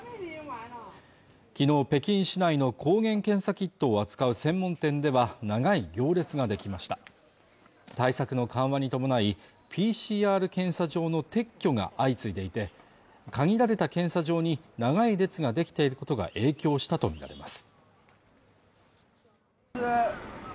昨日、北京市内の抗原検査キットを扱う専門店では長い行列ができました対策の緩和に伴いＰＣＲ検査場の撤去が相次いでいて限られた検査場に長い列ができていることが影響したと見られます